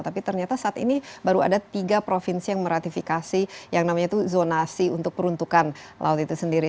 tapi ternyata saat ini baru ada tiga provinsi yang meratifikasi yang namanya itu zonasi untuk peruntukan laut itu sendiri